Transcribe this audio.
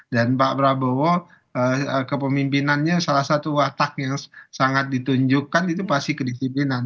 dan pak prabowo kepemimpinannya salah satu watak yang sangat ditunjukkan itu pasti kedisiplinan